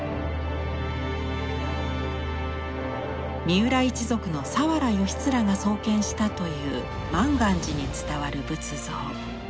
三浦一族の佐原義連が創建したという満願寺に伝わる仏像。